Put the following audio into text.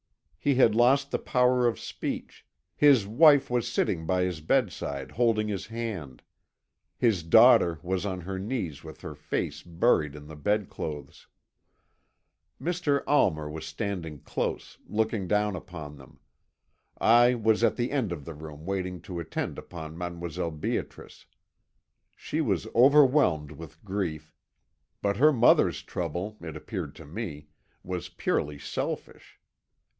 He had lost the power of speech; his wife was sitting by his bedside holding his hand; his daughter was on her knees with her face buried in the bed clothes; Mr. Almer was standing close, looking down upon them; I was at the end of the room waiting to attend upon Mdlle. Beatrice. She was overwhelmed with grief, but her mother's trouble, it appeared to me, was purely selfish.